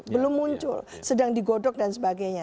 belum muncul sedang digodok dan sebagainya